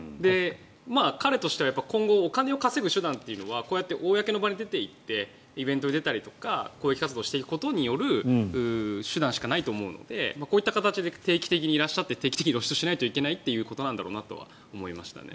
彼としては今後お金を稼ぐ手段というのはこうやって公の場に出ていってイベントに出たりとか公益活動をしたりすることによる手段しかないと思うのでこうやって定期的にいらっしゃって定期的に露出しないといけないということなんだろうなとは思いましたね。